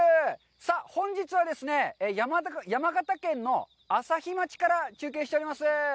さあ、本日はですね、山形県の朝日町から中継しております。